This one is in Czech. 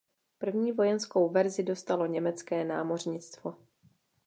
První vojenskou verzi dostalo německé námořnictvo.